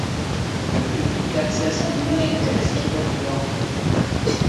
Le public a accès à ces données dans le site web de l’Ordre.